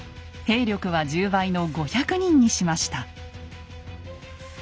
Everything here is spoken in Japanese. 兵力は１０倍の５００人にしました。